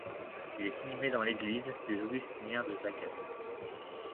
Il est inhumé dans l'église des Augustiniens de Żagań.